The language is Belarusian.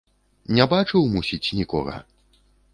Не бачыў, мусіць, нікога?